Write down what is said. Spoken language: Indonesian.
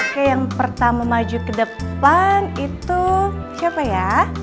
oke yang pertama maju ke depan itu siapa ya